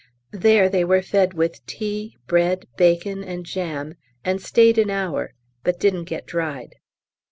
There they were fed with tea, bread, bacon, and jam, and stayed an hour, but didn't get dried.